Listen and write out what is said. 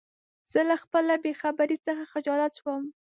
زه له خپله بېخبری څخه خجالت شوم.